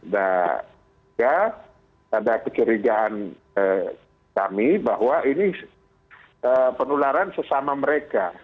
dan ya ada kecurigaan kami bahwa ini penularan sesama mereka